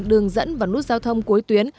đường dẫn vào nút giao thông cuối tuyến